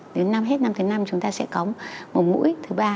đến năm hết năm thứ năm chúng ta sẽ có một mũi thứ ba